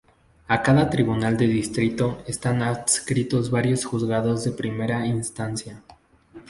A cada Tribunal de Distrito están adscritos varios Juzgados de Primera Instancia.